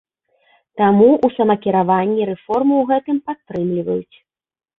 Таму ў самакіраванні рэформу ў цэлым падтрымліваюць.